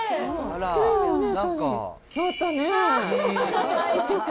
きれいなお姉さんになったね。